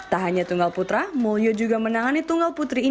tak hanya tunggal putra mulyo juga menang